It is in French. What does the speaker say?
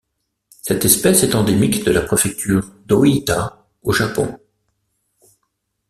Cette espèce est endémique de la préfecture d'Ōita au Japon.